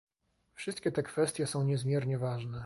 Wszystkie te kwestie są niezmiernie ważne